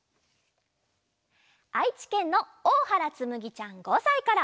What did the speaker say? あいちけんのおおはらつむぎちゃん５さいから。